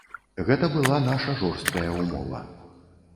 Гэта была наша жорсткая ўмова.